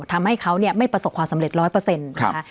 ทำให้เขาเนี่ยไม่ประสบความสำเร็จร้อยเปอร์เซ็นต์นะคะครับ